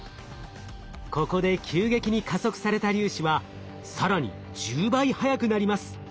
ここで急激に加速された粒子は更に１０倍速くなります。